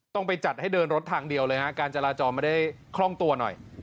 ไปจัดให้เดินรถทางเดียวเลยฮะการจราจรไม่ได้คล่องตัวหน่อย